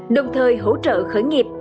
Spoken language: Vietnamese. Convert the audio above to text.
đồng thời hỗ trợ khởi nghiệp